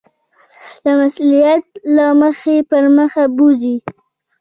د مسؤلیت له مخې پر مخ بوځي.